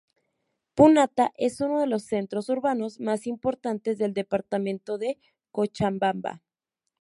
Punata es uno de los centros urbanos más importantes del departamento de Cochabamba.